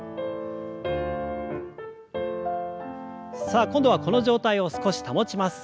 さあ今度はこの状態を少し保ちます。